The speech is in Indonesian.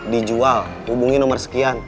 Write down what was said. dijual hubungi nomor sekian